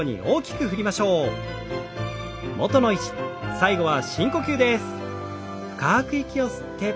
最後は深呼吸です。